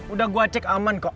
udah gue cek aman kok